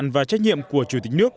và trách nhiệm của chủ tịch nước